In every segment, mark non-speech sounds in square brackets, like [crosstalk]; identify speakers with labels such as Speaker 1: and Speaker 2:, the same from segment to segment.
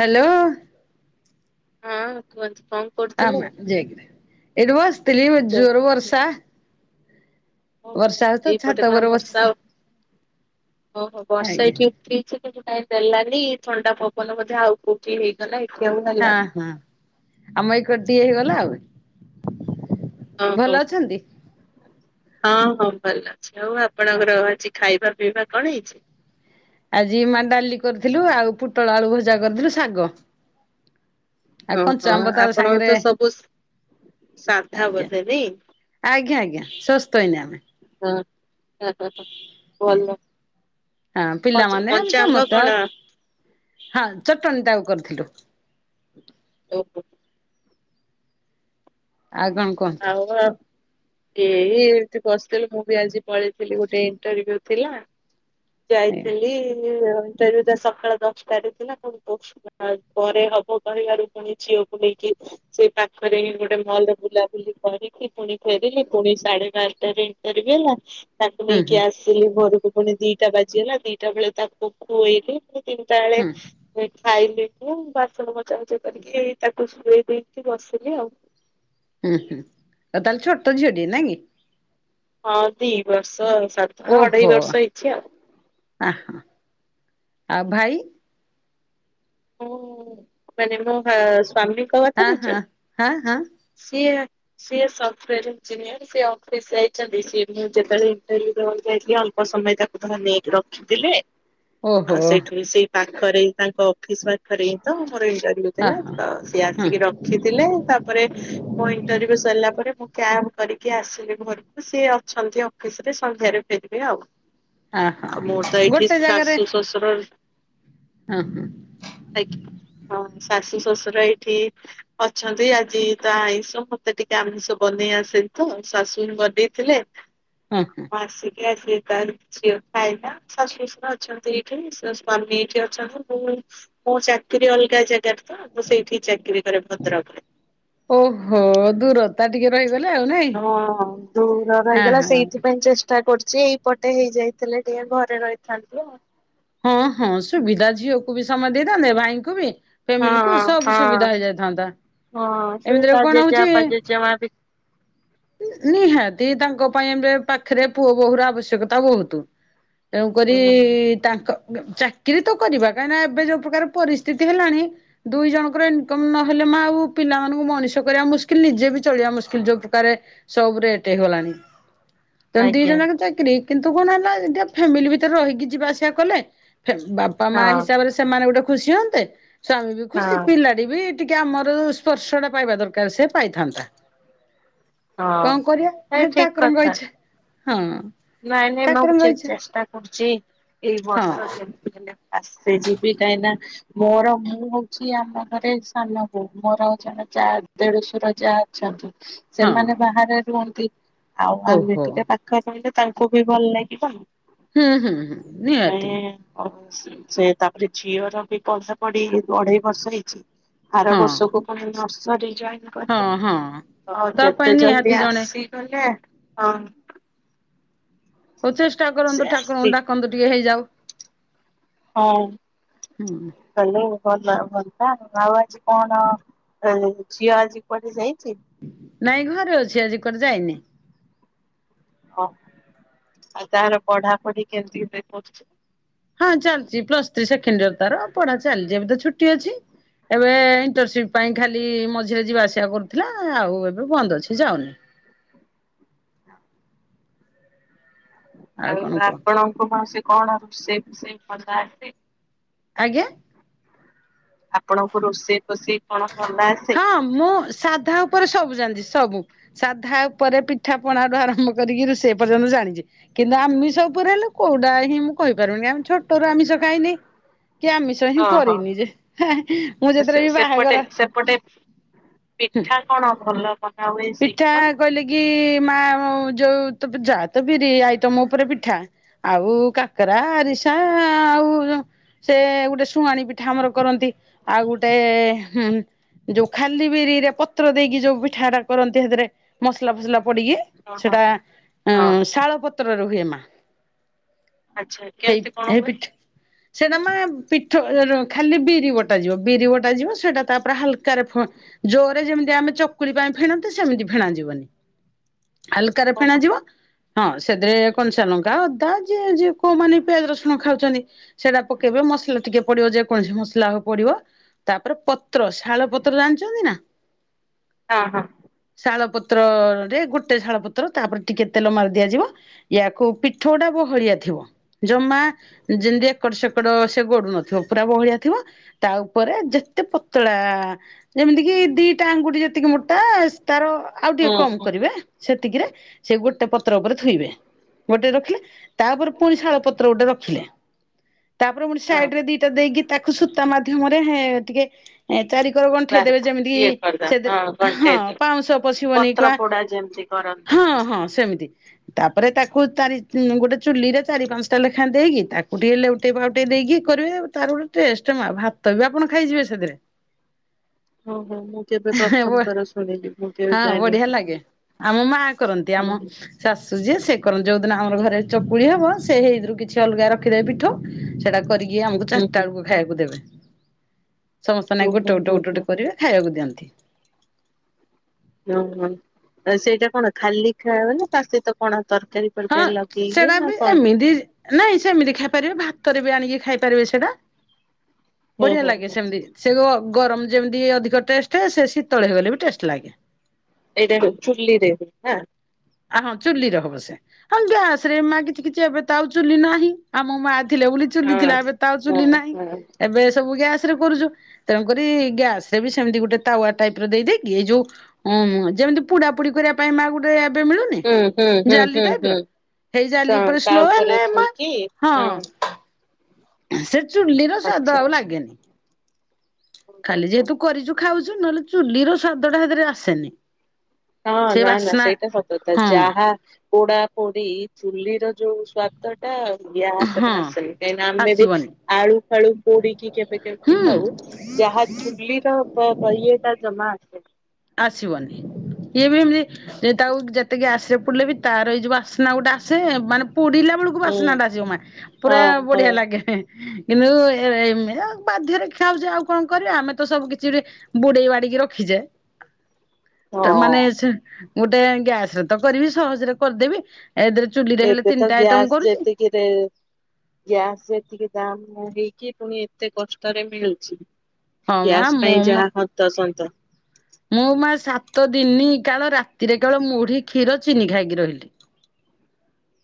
Speaker 1: Hello?
Speaker 2: ହଁ କୁହନ୍ତୁ ଙ୍କ
Speaker 1: [unintelligible] ଏଇଠି ବସୀଥିଲି
Speaker 2: ଯେ
Speaker 1: ଯୋରେ ବର୍ଷା।
Speaker 2: ଓହୋ।
Speaker 1: ବର୍ଷା ହଉଛି ତ
Speaker 2: ଏଇପଟେ
Speaker 1: ଛାତ
Speaker 2: କଣ
Speaker 1: ଉପରେ
Speaker 2: ବର୍ଷା
Speaker 1: ବସିଛି।
Speaker 2: ଓହୋ ବର୍ଷା
Speaker 1: ଆଜ୍ଞା
Speaker 2: ଏଠି ଉଠେଇଛି କିନ୍ତୁ କାଇଁ ଦେଲାନି ଥଣ୍ଡା ପବନ ବୋଧେ ଆଉ କଉଠି ହେଇଗଲା ଏଠି ଆଉ
Speaker 1: ହଁ
Speaker 2: ହେଲାନି।
Speaker 1: ହଁ ଆମ ଏଇକରେ ଟିକେ ହେଇଗଲା ଆଉ।
Speaker 2: ହଁ
Speaker 1: ଭଲ
Speaker 2: ଓହୋ
Speaker 1: ଅଛନ୍ତି?
Speaker 2: ହଁ ହଁ ଭଲ ଅଛି ଆଉ ଆପଣଙ୍କର ଆଜି ଖାଇବା ପିଇବା କଣ ହେଇଛି?
Speaker 1: ଆଜି ମା ଡାଲି କରିଥିଲୁ ଆଉ ପୁଟଳ ଆଳୁ ଭଜା କରିଥିଲୁ ଶାଗ। ଆଉ
Speaker 2: ଓହୋ
Speaker 1: କଞ୍ଚା ଆମ୍ବ ତା
Speaker 2: ଆପଣଙ୍କର
Speaker 1: ସାଙ୍ଗେରେ
Speaker 2: ତ ସବୁ ସାଧା
Speaker 1: ଆଜ୍ଞା
Speaker 2: ବୋଧେ ନାଇଁ?
Speaker 1: ଆଜ୍ଞା ଆଜ୍ଞା ସୁସ୍ତ ଏଇନେ ଆମେ।
Speaker 2: [unintelligible] ଭଲ।
Speaker 1: ହଁ
Speaker 2: କଞ୍ଚା
Speaker 1: ପିଲାମାନେ
Speaker 2: କଞ୍ଚା ଆମ୍ବ
Speaker 1: ସମସ୍ତେ
Speaker 2: କଣ
Speaker 1: ଅ, ହଁ ଚଟଣି ତାକୁ କରିଥିଲୁ।
Speaker 2: ଓ ହୋ।
Speaker 1: ଆଉ କଣ? କୁହନ୍ତୁ
Speaker 2: [inaudible] ଏଇ ଏମତି ବସିଥିଲି ମୁଁ ବି ଆଜି ପଳେଇଥିଲି ଗୋଟେ ଇଣ୍ଟରଭି୍ୟୁ ଥିଲା।
Speaker 1: ଆଜ୍ଞା
Speaker 2: ଯାଇଥିଲି ଇଣ୍ଟରଭିୟୁ ଟା ସକାଳ ଦଶଟାରେ ଥିଲା [inaudible] ପରେ ହବ କହିଲାରୁ ପୁଣି ଝିଅକୁ ନେଇକି ସେଇ ପାଖରେ ହିଁ ଗୋଟେ ମଲରେ ବୁଲା ବୁଲିକରିକି ପୁଣି ଫେରିଲି ପୁଣି ସାଢେ ବାରଟା ରେ ଇଣ୍ଟରଭିୟୁ ହେଲା ତାକୁ
Speaker 1: ହୁଁ ହୁଁ
Speaker 2: ନେଇକି ଆସ ଆସିଲି ଘରୁକୁ ପୁଣି ଦିଟା ବାଜିଗଲା ଦିଟା ବେଳେ ତାକୁ ଖୁଏଇଲି ପୁଣି ତିନିଟା ବେଳେ
Speaker 1: ହୁଁ
Speaker 2: ଵିଥ୍ ଖାଇଲି ମୁଁ ବାସନ ମଜା ମଜା କରିକି ଏଇ ତାକୁ ଶୁଏଇ ଦେଇକି ବସିଲି ଆଉ।
Speaker 1: ଉଁ ହୁଁ ଆଉ ତାହେଲେ ଛୋଟ ଝିଅଟିଏ ନାଇ କି?
Speaker 2: ହଁ ଦି ବର୍ଷ ସା
Speaker 1: ଓହୋ ଆହାଁ ଆଉ ଭାଇ?
Speaker 2: ହୋ ମାନେ ମୋ ସ୍ଵାମୀକୁ
Speaker 1: ଆ - ହାଁ - ହାଁ- ହାଁ।
Speaker 2: ସିଏ ସିଏ ସପଟୋୟାର ଇଞ୍ଜିନିୟର୍। ସେ ଅଫିସ ଯାଇଚନ୍ତି ସିଏ ମୁଁ ଯେତେବେଳେ ଇଣ୍ଟରଭିୟୁ ଦେବାକୁ ଯାଇକି ଅଳ୍ପ ସମୟ ତାକୁ ଧର ନେଇକି ରଖି ଦେଲେ,
Speaker 1: ଓହୋ
Speaker 2: ଆ ସେଇଠୁ ସେଇ ପାଖରେ ତାଙ୍କ ଅଫିସ୍ ବା ପାଖରେହିଁ ତ ମୋର ଇଣ୍ଟରଭିୟୁ ଥେଲା
Speaker 1: ଓହୋ
Speaker 2: ତ ସିଏ
Speaker 1: ହୁଁ
Speaker 2: ଆସିକି ରଖିଥିଲେ ତାପରେ ମୋ ଇଣ୍ଟରଭିୟୁ ସରିଲା ପରେ ମୁଁ କ୍ୟାବ୍ କରିକି ଆସିଲି ଘରକୁ ସିଏ ଅଛନ୍ତି ଆଉ ଅଫିସରେ ସନ୍ଧ୍ୟାରେ ଫେରିବେ ଆଉ।
Speaker 1: ଓହୋ
Speaker 2: ଆଉ ମୁଁ ତ ଏଇଠି
Speaker 1: ଗୋଟେ ଜାଗାରେ
Speaker 2: ଶାଶୁ ଶଶୁର
Speaker 1: ହଁ- ହଁ।
Speaker 2: ଆଜ୍ଞା, ହଁ ଶାଶୁଶଶୁରଏଇଠି ଅଛନ୍ତି ଆ ଆଜି ତ ଆଇଁଷ ମତେ ଟିକେ ଆମିଷ ବନେଇ ଆସେନି ତ ଶାଶୁ ହିଁ ବନେଇଥିଲେ
Speaker 1: ହଁ ହଁ
Speaker 2: ମୁଁ ଆସିକ ଆସି ତାରୁ ଝିଅ ଖାଇଲା ଶାଶୁଶଶୁର ଅଛନ୍ତି ଏଇଠି ସ-ସ୍ୱାମୀ ଏଇଠି ଅଛନ୍ତି ମୁଁ ମୋ ଚାକିରି ଅଲଗା ଜାଗାରେ ତ ମୁଁ ସେଇଠି ଚାକିରି କରେ ଭଦ୍ରକରେ।
Speaker 1: ଓହୋ ଦୂରତା ଟିକେ ରହିଗଲେ ଆଉ ନାଇଁ?
Speaker 2: ହଁ ଦୂର ରହିଗଲା
Speaker 1: ଅହୋ
Speaker 2: ସେଇଥିପାଇଁ ଚେଷ୍ଟ ଟା କରୁଚି ଏଇପଟେ ହେଇଯାଇଥିଲେ ଟିକେ ଘରେ ରହିଥାନ୍ତି ଆଉ।
Speaker 1: ହଁ ହଁ ସୁବିଧା ଝିଅକୁ ବି ସମୟ ଦେଇଥାନ୍ତେ ଭାଇଙ୍କୁ ବି ଫ୍ୟାମିଲି କୁ
Speaker 2: ହଁ
Speaker 1: ସବୁ
Speaker 2: ହଁ
Speaker 1: ସୁବିଧା ହେଇଯାଇଥାନ୍ତା
Speaker 2: ହଁ ସେ
Speaker 1: ଏମିତିରେ
Speaker 2: ତା
Speaker 1: କଣ
Speaker 2: ଜେଜେବାପା ଜେଜେମା ବି
Speaker 1: ନ-ନିହାତି ତାଙ୍କ ପାଇଁ ଏବେ ପାଖରେ ପୁଅ ବୋହୂ ର ଆବଶ୍ୟକତା ବହୁତୁ। ତେଣୁକରି
Speaker 2: ହୁଁ
Speaker 1: କ ଚାକିରି ତ କରିବା କାହିଁକି ନା ଏବେ ଯୋଉ ପ୍ରକାର ପରିସ୍ଥିତି ହେଲାଣି ଦୁଇ ଜଣଙ୍କର ଇନକମ୍ ନହେଲେ ମା ଆଉ ପିଲାମାନଙ୍କୁ ମଣିଷ କରିବା ମୁସ୍କିଲ ନିଜେ ବି ଚଳିବା ମୁସ୍କିଲ ଯୋଉ ପ୍ରକାରେ ସବୁ ରେଟେ ହେଇଗଲାଣି। ତମେ ଦି
Speaker 2: ଆଜ୍ଞା
Speaker 1: ଜଣ ଜାଙ୍କ ଚାକିରି କିନ୍ତୁ କଣ ହେଲା ଟିକେ ଫ୍ୟାମିଲି ଭିତରେ ରହିକି ଯିବା ଆସିବା କଲେ ଫେ ବା ବାପା ମା
Speaker 2: ହଁ।
Speaker 1: ହିସାବରେ ସେମାନେ ଗୋଟେ ଖୁସି ହୁଅନ୍ତେ ସ୍ୱାମୀ ବି
Speaker 2: ହଁ
Speaker 1: ଖୁସି ପିଲା ଟି ବି ଟିକେ ଆମର ସ୍ପର୍ଶ ଟା ପାଇବା ଦରକାର ସେ ପାଇଥାନ୍ତା।
Speaker 2: ହଁ
Speaker 1: କଣ କରିଆ
Speaker 2: ନାଇଁ ଠିକ
Speaker 1: ଠାକୁରଙ୍କ
Speaker 2: କଥା
Speaker 1: ଇଚ୍ଛା।
Speaker 2: ନାଇଁ ନାଇଁ ମୁଁ ବି
Speaker 1: ଠାକୁରଙ୍କ ଇଚ୍ଛା
Speaker 2: ଚେ-ଚେଷ୍ଟା କରୁଚି ଏଇ
Speaker 1: ହଁ
Speaker 2: ବର୍ଷ ଯେମତି ବି ହେଲେ ଆସି ଯିବି କାହିଁ ନା ମୋର ମୁଁ ହଉଛି ଆମ ଘରେ ସାନ ବୋହୁ ମୋର ଆଉ ଜଣେ ଯା ଦେଢଶୁର ଯା ଆ
Speaker 1: ହଁ
Speaker 2: ସେମାନେ ବାହାରେ ରୁହନ୍ତି ଆଉ ଆମେ
Speaker 1: ଓହୋ।
Speaker 2: ଟିକେ ପାଖା ପାତ୍ର ତାଙ୍କୁ ବି ଭଲ ଲାଗିବ
Speaker 1: ହୁଁ- ହୁଁ -ହୁଁ ନିହାତି
Speaker 2: ସେଥିପାଇଁ ଆଉ ତାପରେ ଝିଅର ବି ପଢା ପଢି ଅଢେଇ ବର୍ଷ ହେଇଛି। ଆର
Speaker 1: ହଁ
Speaker 2: ବର୍ଷକୁ ପୁଣି ନରସରି ଜଏନ
Speaker 1: ହଁ ହଁ।
Speaker 2: କରିବ
Speaker 1: ତା ପାଇଁ
Speaker 2: ଯେତେ ଜଲଦି
Speaker 1: ନିହାତି ଜଣେ
Speaker 2: ଆସି ଥଣ୍ଡା, ହଁ।
Speaker 1: ହଉ ଚେଷ୍ଟା
Speaker 2: ସେ
Speaker 1: କରନ୍ତୁ ଠାକୁରଙ୍କୁ
Speaker 2: ଆସିଛି
Speaker 1: ଡାକନ୍ତୁ ଟିକେ ହେଇଯାଉ
Speaker 2: ହଉଁ
Speaker 1: ହୁଁ
Speaker 2: ହ୍ୟାଲୋ ଭଲ ଭଲ ଆଉ ଆଜି କଣ ଝିଅ ଆଜି କୁଆଡେ ଯାଇଚି?
Speaker 1: ନାଇଁ ଘରେ ଅଛି ଆଜି କୁଆଡେ ଯାଇନି।
Speaker 2: ହ ଆଉ ତାର ପଢାପଢି କେମିତି [unintelligible]
Speaker 1: ହଁ ଚାଲିଛି ପ୍ଲସଥ୍ରୀ ସେକେଣ୍ଡଇୟର ତାର ପଢା ଚାଲିଛି ଏବେ ତ ଛୁଟି ଅଛି। ଏବେ ଇଣ୍ଟରନସିପ ପାଇଁ ଖାଲି ମଝିରେ ଯିବା ଆସିବା କରୁଥିଲା ଆଉ ଏବେ ବନ୍ଦ ଅଛି ଯାଉନି।
Speaker 2: ହଁ। ଆଉ
Speaker 1: କଣ କୁହନ୍ତୁ
Speaker 2: ଆପଣଙ୍କୁ ସେ କଣ ରୋଷେଇ ବୋସେଇ ଭଲ ଆସ।
Speaker 1: ଆଜ୍ଞା।
Speaker 2: ଆପଣଙ୍କୁ ରୋଷେଇ ଫୋଷେଇ କଣ କଲା ଆସେ?
Speaker 1: ହଁ ମୁଁ ସାଧା ଉପରେ ସବୁ ଜାନ୍ତି ସବୁ। ସାଧା ଉପରେ ପିଠା ପଣାଠୁ ଆରମ୍ଭ କରିକି ରୋଷେଇ ଏ ପର୍ଯ୍ୟନ୍ତ ଜାଣିଛି। କିନ୍ତୁ ଆମିଷ ଉପରେ ହେଲେ କୋଉଟା ହିଁ ମୁଁ କହିପାରୁନି ଛୋଟରୁ ଆମିଷ କାହିଁନି। କି ଆମ ମିଶଣ ହିଁ
Speaker 2: ଓହୋ
Speaker 1: କରିନି ଯେ ମୁଁ ଯେତେବେଳେ ବି ବାହାଘର
Speaker 2: ସେପଟେ ସେପଟେ ପିଠା କଣ ଭଲ ବନା ହୁଏ
Speaker 1: ପିଠା
Speaker 2: ସେଇପଟେ
Speaker 1: କହିଲେ କି ମା ଯୋଉ ତ ଯା ତ ବିରି ଆଇ ତମ ଉପରେ ପିଠା। ଆଉ କାକରା ଆରିସା ଆଉ। ସେ ଗୋଟେ ଶୁଆଣି ପିଠା ଆମର କରନ୍ତି ଆଉ ଗୋଟେ ହୁଁ ଯୋଉ ଖାଲି ବିରିରେ ପତ୍ର ଦେଇକି ଯୋଉ ପିଠା ଟା କରନ୍ତି ସେଥିରେ ମସଲା ଫସଲା ପଡିକି
Speaker 2: ହଁ
Speaker 1: ସେଟା
Speaker 2: ହଁ
Speaker 1: ଶାଳ ପତ୍ର ର ହୁଏ ମା।
Speaker 2: ଆଚ୍ଛା
Speaker 1: ହେଇ
Speaker 2: କେମିତି କଣ
Speaker 1: ହେଇ
Speaker 2: ହୁଏ
Speaker 1: ପିଠ। ସେଇଟା ମା ପିଠା ଖାଲି ବିରି ବଟାାଯିବ ବିରି ବଟା ଯିବ ସେଇଟା। ତାପରେ ହାଲକାରେ ଜୋରରେ ଯେମିତି ଆମେ ଚକୁଳି ପାଇଁ ଫେଣନ୍ତି ସେମିତି ଫିଣାଯିବନି। ଆଲକାରେ
Speaker 2: ଓହୋ
Speaker 1: ଫେଣାଯିବ। ହଁ ସେଥିରେ କଂଞ୍ଚାଲଙ୍କା ଅଦା ଯିଏ ଯ କୋଉମାନେ ପିଆଜ ରସୁଣ ଖାଉଛନ୍ତି ସେଟା ପକେଇବେ ମସଲା ଟିକେ ପଡିବ ଯେକୌଣସି ମସଲା ହବ ପଡିବ ତାପରେ ପ ପତ୍ର ଶାଳ ପତ୍ର ଜାଣିଛନ୍ତି ନା?
Speaker 2: ହଁ ହଁ।
Speaker 1: ଶାଳ ପତ୍ରରେ ଗୋଟେ ଶାଳ ପତ୍ର ତାପରେ ଟିକେ ତେଲ ମାରି ଦିଆଯିବ ୟାକୁ ପିଠଟା ବହଳିଆ ଥିବ ଜମା ଯେମିତି ଏକଡ ସେକଡ ସେ ଗୋଡୁ ନଥିବ ପୁରା ବହଳିଆ ଥିବ ତା ଉପରେ ଯେତେ ପତଳା ଯେମିତି କିି ଦିଟା ଆଙ୍ଗୁଠି ଯେତିକି ମୋଟା ତାର ଆଉ ଟିକେ
Speaker 2: ହୁଁ
Speaker 1: କମ
Speaker 2: ହୁଁ
Speaker 1: କରିବେ ସେତିକିରେ ସେ
Speaker 2: ହୁଁ
Speaker 1: ଗୋଟେ ପତ୍ର ଉପରେ ଥୋଇବେ। ଗୋଟେ ରଖିଲେ ତାପରେ ପୁଣି ଶାଳ ପତ୍ର ଗୋଟେ ରଖିଲେ ତାପରେ ପୁଣି
Speaker 2: ହଁ
Speaker 1: ସାଇଡ ରେ ଦି ସ ଦେଇକି ତାକୁ ସୂତା ମାଧ୍ୟମରେ ଟିକେ ଏ ଚାରିିକର ଗଣ୍ଠେଇ
Speaker 2: ବାସ୍
Speaker 1: ଦେବେ ଯେମିତି
Speaker 2: ଇଏ
Speaker 1: ସେ
Speaker 2: କରିଦବା
Speaker 1: ହଁ
Speaker 2: ଘଣ୍ଟେଇ ଦେ
Speaker 1: ପାଉଁଶ ପଶିବନି
Speaker 2: ପତ୍ର
Speaker 1: କିବା
Speaker 2: ପୋଡା ଯେମିତି କରନ୍ତି।
Speaker 1: ସେମିତି ତାପରେ ତାକୁ ଚାରି ଗୋଟେ ଚୁଲିରେ ଚାରି ପାଞ୍ଚଟା ଲେଖାଏଁ ଦେଇକି ତାକୁ ଟିକେ ଲେ ଲେଉଟେଇ ପାଉଟେଇ ଦେଇକି କରିବେ ଆ ତାର ଗୋଟେ ଟେଷ୍ଟ ମା ଭାତ ବି ଆପଣ ଖାଇଯିବେ ସେଥିରେ।
Speaker 2: ହଁ ହଁ ହଁ।
Speaker 1: ହେ ବଢିଆ
Speaker 2: ଜାଣିନି
Speaker 1: ଲାଗେ ଆମ ମା କରନ୍ତି
Speaker 2: ହୁଁ
Speaker 1: ଆମ
Speaker 2: ହୁଁ।
Speaker 1: ଶାଶୁ ଯିଏ ସିଏ କରନ୍ତି ଯୋଉଦିନ ଆମର ଘରେ ଚକୁଳି ହବ ସେ ହେଇଥିରୁ କିଛି ଅଲଗା ରଖିଦେବେ ପିଠଉ ସେଟା କରିକି ଇଏ ଆମକୁ
Speaker 2: ହୁଁ
Speaker 1: ଚାରିଟା
Speaker 2: ହୁଁ।
Speaker 1: ବେଳକୁ ଖାଇବାକୁ ଦେବେ ସମସ୍ତେ
Speaker 2: ଓ
Speaker 1: ନାଗି ଗୋଟେ
Speaker 2: ହୋ
Speaker 1: ଗୋଟେ
Speaker 2: ହୋ
Speaker 1: ଗୋଟେ
Speaker 2: ହୋ
Speaker 1: ଗୋଟେ କରିବେ ଖାଇବାକୁ ଦିଅନ୍ତି।
Speaker 2: ଓହୋ ଆଉ ସେଇଟା କଣ ଖାଲି ଖାଇବ ନା ତା ସହିତ କଣ ତର ତରକାରୀ
Speaker 1: ହଁ
Speaker 2: ଫରକାରୀ ଲଗେଇକି
Speaker 1: ସେଟା
Speaker 2: ନା
Speaker 1: ବି
Speaker 2: କଣ?
Speaker 1: ଏମିତି ନାଇଁ ସେମିତି ଖାଇପାରିବେ ଭାତରେ ବି ଆଣିକି ଖାଇ ପାରିବେ ସେଟା ବଢିଆ
Speaker 2: ଓହୋ
Speaker 1: ଲାଗେ
Speaker 2: ହୋ
Speaker 1: ସେମିତି। ସେ ଗରମ ଯେମିତି ଅଧିକ ଟେଷ୍ଟ ସେ ଶୀତଳ ହେଇଗଲେ ବି ଟେଷ୍ଟ ଲାଗେ।
Speaker 2: ଏଇଟା ଚୁଲ୍ଲିରେ ହୁଏ ନାଁ?
Speaker 1: ଆ ହଁ ଚୁଲିରେ ହବ ସେ। ହ ଗ୍ୟାସ ରେ ମା କିଛି କିଛି ଏବେତାଉ ନାହିଁ ଆମ ମା ଥିଲେ ବୁଲି ଚୁଲି ଥିଲା ଏବେ ତ ଆଉ
Speaker 2: ହଁ
Speaker 1: ଚୁଲି ନାହିଁ
Speaker 2: ହଁ
Speaker 1: ଏବେ ସବୁ ଗ୍ୟାସ ରେ କରୁଛୁ। ତେଣୁକରି ଗ୍ୟାସ ରେ ବି ସେମିତି ଗୋଟେ ତାୱା ଟାଇପ ର ଦେଇଦକି ଏଇ ଯୋଉ ଉଁ ମ ଯେମିତି ପୁଡା ପୁଡି କରିବା ପାଇଁ ମା ଗୁଟେ ଏବେ ମିଳୁନି
Speaker 2: ହୁଁ ହୁଁ ହୁଁ
Speaker 1: ଜାଲି
Speaker 2: ହୁଁ
Speaker 1: ଟାଇପ
Speaker 2: ହୁଁ
Speaker 1: ର ହେଇ ଜାଲି ଉପରେ ସ୍ଲୋ ହେଲେ ମା ହଁ ସେ ଚୁଲିର ସ୍ଵାଦ
Speaker 2: ଆଚ୍ଛା
Speaker 1: ଆଉ ଲାଗେନି। ଖାଲି
Speaker 2: ଆଚ୍ଛା।
Speaker 1: ଯେହେତୁ କରିଛୁ ଖାଉଛୁ ନହେଲେ ଚୁଲି ର ସ୍ଵାଦ ଟା ହେଥିରେ ଆସେନି।
Speaker 2: ହଁ
Speaker 1: ସେ
Speaker 2: ନା ନା
Speaker 1: ବାସ୍ନା
Speaker 2: ସେଇଟା ସତକଥା
Speaker 1: ହଁ
Speaker 2: ଯାହା ପୋଡା ପୋଡି ଚୁଲିର ଯୋଉ ସ୍ଵାଦଟା ଗ୍ୟାସରେ
Speaker 1: ହଁ
Speaker 2: ଆସେନି କାହିଁକିନା ଆମେ ବି
Speaker 1: ଆସିବନି
Speaker 2: ଆଳୁ ଫାଳୁ ପୋଡିକି କେବେ କେମିତି
Speaker 1: ହୁଁ
Speaker 2: ଖାଉ। ଯାହା ଚୁଲିର ବଏ ତା ଜମା ଆସେନି।
Speaker 1: ଆସିବନି ଇଏ ବି ଏମିତି ତାକୁ ଯେତେ ଗ୍ୟାସରେ ପୁଡିଲେ ବି ତାର ଏଇ ଯୋଉ ବାସ୍ନା ଗୁଟେ ଆସେ ମାନେ ପୁଡିଲା ବେଳକୁ କୁ
Speaker 2: ହୁଁ
Speaker 1: ବାସ୍ନା ଟା ଆସିବ ମା ପୁରା
Speaker 2: ହଁ ହଁ
Speaker 1: ବଢିଆ ଲାଗେ। କିନ୍ତୁ ଏ ବାଧ୍ୟରେ ଖିଆହଉଛି ଆଉ କଣ କରିବା ଆମେ ତ ସବୁ କିଛି ବୁଡେଇ ବାଡିକି ରଖିଛେ। ମାନେ
Speaker 2: ହଁ
Speaker 1: ସେ ଗୁଟେ ଗ୍ୟାସରେ ତ କରିବି ସହଜରେ କରିଦେବି। ଏଇଥେରେ ଚୁଲିରେ ହେଲେ ତିନିଟା ଆଇଟମ କରୁଛି।
Speaker 2: ସେ। ଗ୍ୟାସ ଏତିକି ଦାମ ନ ହେଇକି ପୁଣି ଏତେ କଷ୍ଟରେ ମିଳୁଛି।
Speaker 1: ହଁ ମା
Speaker 2: ଗ୍ୟାସ
Speaker 1: ମୁଁ
Speaker 2: ପାଇଁ
Speaker 1: ମ
Speaker 2: ଯାହା ହନ୍ତସନ୍ତ।
Speaker 1: ମୁଁ ମା ସାତ ଦିନି କାଳ ରାତିରେ କେଳ ମୁଢି କ୍ଷୀର ଚିନି ଖାଇକି ରହିଲି।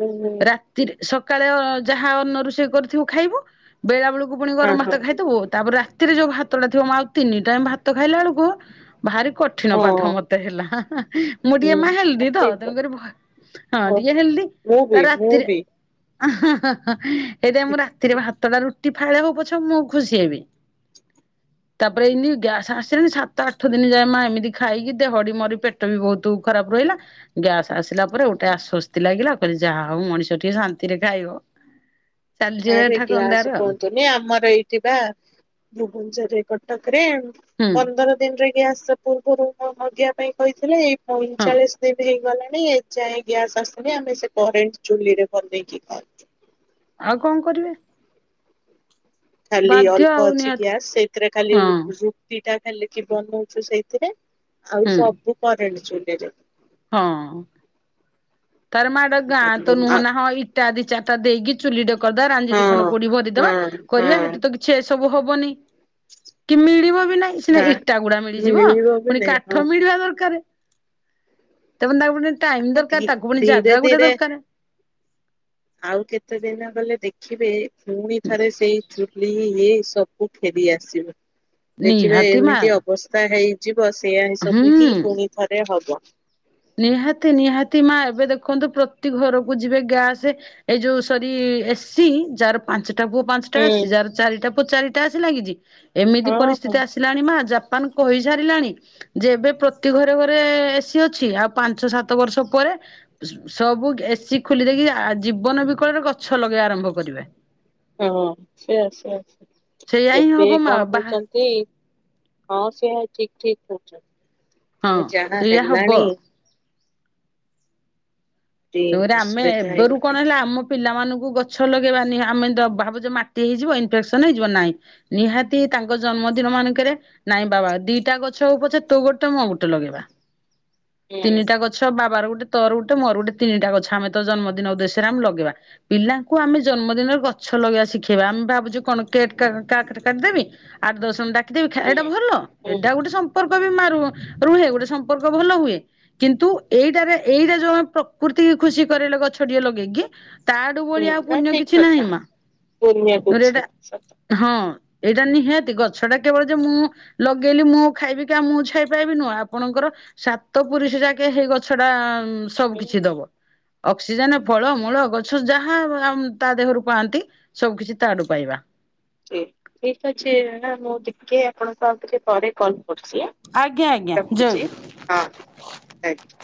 Speaker 2: ହୁଁ ହୁଁ।
Speaker 1: ରାତିରେ ସକାଳେ ଯାହା ଅନ୍ନ ରୋଷେଇ କରିଥିବୁ ଖାଇବୁ। ବେଳେ ବେଳକୁ ପୁଣି
Speaker 2: ହଁ
Speaker 1: ଗରମ
Speaker 2: ହଁ
Speaker 1: ଭାତ ଖାଇଥବୁ ତାପରେ ରା ରେ ଯୋଉ ଭାତଟା ଥିବ ମା ଆଉ ତିନି ଟାଇମ ଭାତ ଖାଇଲା ବେଳକୁ ଭାରି କ କଠିନ ପାଠ
Speaker 2: ହଁ
Speaker 1: ମତେ ହେଲା ମୁଁ ଟିକେ
Speaker 2: ହୁଁ
Speaker 1: ମା ହେଲଦି ତ
Speaker 2: ଠିକ
Speaker 1: ତେଣୁକରି ହଁ
Speaker 2: କଥା
Speaker 1: ଟିକେ ହେଲଦି
Speaker 2: ମୁଁ
Speaker 1: ତ
Speaker 2: ବି ମୁଁ
Speaker 1: ରାତିରେ
Speaker 2: ବି
Speaker 1: ହେଇତିପାଇଁ ମୁଁ ରାତ ରାତିରେ ଭାତଟା ରୁଟି ଫାଳେ ହଉ ପଛେ ମୁଁ ଖୁସି ହେବି ତାପରେ ଏତି ଗ୍ୟା ଆ ସେତି ସାତ ଆଠ ଦିନ ଯାଏ ମା ଏମିତି ଖାଇକି ଦେହଟି ମୋର ପେଟ ବି ବହୁତ ଖରାପ ରହିଲା। ଗ୍ୟାସ୍ ଆସିଲା ପରେ ଗୋଟେ ଆସ୍ଵସ୍ତି ଲାଗିଲା କହିଲି ଯାହା ହଉ ମଣିଷ ଟିକେ ଶାନ୍ତିରେ ଖାଇବ। ଚାଲିଯିବ ଏ
Speaker 2: ଆରେ
Speaker 1: ଠାକୁରଙ୍କ
Speaker 2: ଗ୍ୟାସ୍
Speaker 1: ଦୟାରୁ ଆଉ।
Speaker 2: କୁହନ୍ତୁନି ଆମର ଏଇଠିବା ଭୁବନେଶ୍ଵରରେ କଟକରେ
Speaker 1: ହୁଁ
Speaker 2: ପନ୍ଦର ଦିନରେ ଗ୍ୟାସ ପୂର୍ବରୁ ମଗେଇିବା ପାଇଁ କହିଥିଲି ଏଇ
Speaker 1: ହଁ
Speaker 2: ପଇଁଚାଳିଶ ଦିନ ହେଇଗଲାଣି ଏ ଯାଏଁ ଗ୍ୟାସ୍ ଆସୁନି। ଆମେ ସେ କରେଣ୍ଟ ଚୁଲିରେ ବନେଇକି ଖାଉଛୁ।
Speaker 1: ଆଉ କଣ କରିବେ।
Speaker 2: ଖାଲି
Speaker 1: ବାଧ୍ୟ
Speaker 2: ଅଳ୍ପ
Speaker 1: ଆଉ
Speaker 2: ଅଛି
Speaker 1: ନିହାତି
Speaker 2: ଗ୍ୟାସ୍ ସେଇଥିରେ ଖାଲି
Speaker 1: ହଁ
Speaker 2: ରୁ ଟିଟା ଖାଲିକି ବନଉଛୁ ସେଇଥିରେ ଆଉ
Speaker 1: ହୁଁ
Speaker 2: ସବୁ କରେଣ୍ଟ ଚୁଲିରେ।
Speaker 1: ହଁ ତାର ମା ଗାଁ ତ ନୁହଁ
Speaker 2: ଆ
Speaker 1: ନା ହଁ ଇଟା ଦି ଚାରିଟା ଦେଇକି ଚୁଲିଟେ କରିଦେବା ରାଞ୍ଜି ଦି ଖଣ୍ଡ
Speaker 2: ହଁ
Speaker 1: କୋଡି ଭରିଦବା।
Speaker 2: ହଁ
Speaker 1: କରିବା
Speaker 2: ହଁ
Speaker 1: ସେଠି ତ କିଛି ଏସବୁ ହବନି। କି ମିଳିବ ବି ନାଇଁ ସିନା
Speaker 2: ନା।
Speaker 1: ଇଟା ଗୁଡା ମିଳିଯିବ
Speaker 2: ମିଳିବ ବି
Speaker 1: ପୁଣି
Speaker 2: ନାଇଁ ହଁ
Speaker 1: କାଠ ମିଳିବା ଦରକାର। ତାପରେ ତାକୁ ପୁଣି ଟାଇମ୍ ଦରକାର ତାକୁ ପୁଣି
Speaker 2: ଧୀରେ
Speaker 1: ଜାଗା ଗୋଟେ
Speaker 2: ଧୀରେ
Speaker 1: ଦରକାର।
Speaker 2: ଆଉ କେତେ ଦିନ ଗଲେ ଦେଖିବେ ପୁଣି ଥରେ ସେଇ ଚୁ ହେଇ ହେଇ ସବୁ ଫେରି ଆସିବ। ଦେଖିବେ
Speaker 1: ନିହାତି ମା
Speaker 2: ଏମିତି ଅବସ୍ଥା ହେଇ ଯିବ ସେଇଆ ସବୁ ହିଁ
Speaker 1: ହୁଁ
Speaker 2: ପୁଣି ଥରେ ହବ।
Speaker 1: ନିହାତି ନିହାତି ମା ଏବେ ଦେଖନ୍ତୁ ପ୍ରତି ଘରକୁ ଯିବେ ଗ୍ୟାସ ଏଇ ଯୋଉ ସରି ଏସି ଯାର ପାଞ୍ଚଟା ପୁଅ ପାଞ୍ଚଟା
Speaker 2: ହୁଁ
Speaker 1: ଏସି ଯାର ଚାରିଟା ପୁଅ ଚାରିଟା ଏସି ଲାଗିଛି। ଏମିତି
Speaker 2: ହଁ ହଁ
Speaker 1: ପରିସ୍ଥିତି ଆସି ଲାଣି ମା ଜାପାନ କହିସାରିଲାଣି ଯେ ଏବେ ପ୍ରତି ଘରେ ଘରେ ଏସି ଅଛି। ଅଛି ଆଉ ପାଞ୍ଚ ସାତ ବର୍ଷ ପରେ ସବୁ ଏସିି ଖୋଲି ଦେଇକି ଜୀବନ ବିକଳରେ ଗଛ ଲଗେଇବା ଆରମ୍ଭ କରିବା।
Speaker 2: ହଁ ସେ ଆସ ଆସ
Speaker 1: ସେଇଆ ହିଁ
Speaker 2: ଏବେ
Speaker 1: ହବ ମା
Speaker 2: କଣ
Speaker 1: ବା
Speaker 2: କହୁଛନ୍ତି। ହଁ ସେୟା ହିଁ ଠିକ୍ ଠିକ୍ କହୁଛ।
Speaker 1: ହଁ
Speaker 2: ସେ ଯାହା
Speaker 1: ସେଇଆ ହବ।
Speaker 2: ହେଲାଣି ଟି
Speaker 1: ତରେ ଆମେ
Speaker 2: ଅସୁବିଧା
Speaker 1: ଏବେରୁ କଣ
Speaker 2: ହେଇଗଲାଣି।
Speaker 1: ହେଲା ଆମ ପିଲାମାନଙ୍କୁ ଗଛ ଲଗେଇବାନି ଆମେ ଭାବୁଛେ ମାଟି ହେଇଯିବ ଇନଫେକ୍ସନ ହେଇଯିବ ନାହିଁ। ନିହାତି ତାଙ୍କ ଜନ୍ମଦିନ ମାନଙ୍କରେ ନାଇଁ ବାବା ଦିଟା ଗଛ ହେଉ ପଛ ତୁ ଗୋଟେ ମୁଁ ଗୋଟେ ଲଗେଇବା।
Speaker 2: ହୁଁ
Speaker 1: ତିନିଟା ଗଛ ବାବାର ଗୋଟେ ତୋର ଗୋଟେ ମୋର ଗୋଟେ। ତିନିଟା ଗଛ ଆମେ ତୋ ଜନ୍ମଦିନ ଉଦ୍ଦେଶ୍ୟରେ ଆମେ ଲଗେଇବା। ପିଲାଙ୍କୁ ଆମେ ଜନ୍ମଦିନରେ ଗଛ ଲଗେଇବା ଶିଖେଇବା ଆମେ ଭାବୁଛୁ କଣ କେ କେକ କାଟି ଦେବି। ଆଠ ଦଶ ଜଣଙ୍କୁ ଡାକିଦେବି। ଏଟା
Speaker 2: ହୁଁ
Speaker 1: ଭଲ
Speaker 2: ହୁଁ
Speaker 1: ଏଇଟା ଗୋଟେ ସମ୍ ସମ୍ପର୍କ ବି ମ [unintelligible] ରୁହେ ଗୋଟେ ସମ୍ପର୍କ ଭଲ ହୁଏ। କିନ୍ତୁ ଏଇଟାରେ ଏଇଟା ଯୋଉ ଆମ ପ୍ରକୃତିକୁ ଖୁସି କରଇଲେ ଗଛଟିଏ ଲଗେଇକି
Speaker 2: ହୁଁ
Speaker 1: ତାଠୁବଳି ଆଉ
Speaker 2: ନା
Speaker 1: ପୁଣ୍ୟ
Speaker 2: ଠିକ
Speaker 1: କିଛି ନାହିଁ
Speaker 2: କଥା
Speaker 1: ମା।
Speaker 2: ପୂର୍ଣ୍ଣିମାକୁ
Speaker 1: ତାପରେ ଏଟା
Speaker 2: ଛାଡ଼ ସତ
Speaker 1: ହଁ ଏଇଟା ନିହାତି ଗଛଟା କେବଳ ଯେ ମୁଁ ଲଗେଇଲି ମୁଁ ଖାଇବି କି ମୁଁ ଛାଇ ପାଇବି ନୁହଁ ଆପଣଙ୍କର ସାତ ପୁରୁଷ ଯାକେ ହେଇ ଗଛଟା ସବୁ
Speaker 2: ହୁଁ
Speaker 1: କିିଛି
Speaker 2: ହୁଁ
Speaker 1: ଦବ। ଅକ୍ସିଜେନ ଫଳ ମୂଳ ଗଛ ଯାହା ତା ଦେହରୁ ପାଆନ୍ତି। ସବୁ କିିଛି ତା ଆଡୁ ପାଇବା।
Speaker 2: ଠିକ ଅଛି। [unintelligible] ମୁଁ ଟିକେ ଆପଣଙ୍କ ଆଉ ଟିକ୍‌ ପରେ କଲ୍ କରୁଛି।
Speaker 1: ଆଜ୍ଞା ଆଜ୍ଞା ଜୟ
Speaker 2: ରଖୁଛି
Speaker 1: ଗୁରୁ।
Speaker 2: ହଁ ଆଜ୍ଞା।